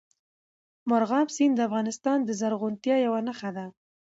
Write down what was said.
مورغاب سیند د افغانستان د زرغونتیا یوه نښه ده.